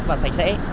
và sạch sẽ